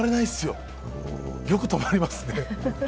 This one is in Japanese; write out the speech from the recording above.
よく止まりますね。